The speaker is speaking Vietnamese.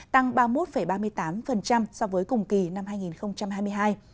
tăng ba mươi một ba mươi tám so với cùng kỳ năm hai nghìn hai mươi hai